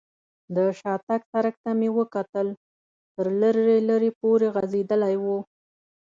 د شاتګ سړک ته مې وکتل، تر لرې لرې پورې غځېدلی و.